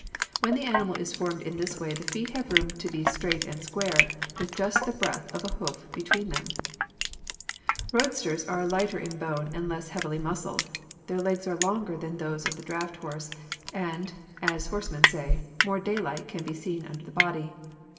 When the animal is formed in this way the feet have room to be straight and square, with just the breadth of a hoof between them (Fig. 241). Roadsters are lighter in bone and less heavily muscled; their legs are longer than those of the draft horses and, as horsemen say, more "daylight" can be seen under the body.